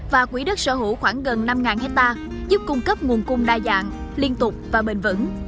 và quỹ đất sở hữu khoảng gần năm hectare giúp cung cấp nguồn cung đa dạng liên tục và bền vững